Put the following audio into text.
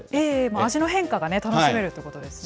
味の変化がね、楽しめるってことですね。